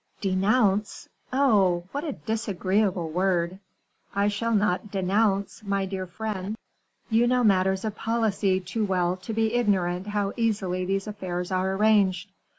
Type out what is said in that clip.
"'Denounce!' Oh! what a disagreeable word. I shall not 'denounce' my dear friend; you know matters of policy too well to be ignorant how easily these affairs are arranged.